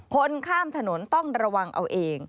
คนข้ามถนนต้องระวังเอาเอง